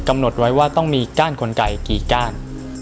กำหนดไว้ว่าต้องมีก้านคนไก่กี่ก้าน